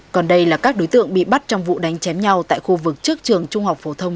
còn đây là các đối tượng bị bắt trong vụ đánh chém nhau tại khu vực trước trường trung học phổ thông